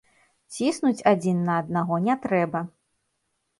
Ціснуць адзін на аднаго не трэба.